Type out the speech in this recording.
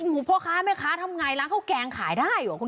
โอ้โหพ่อค้าแม่ค้าทำไงร้านข้าวแกงขายได้เหรอคุณ